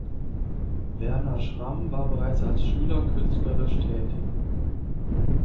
Werner Schramm war bereits als Schüler künstlerisch tätig.